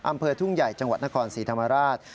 อำเภอทุ่งใหญ่จังหวัดนครศรีธรรมราช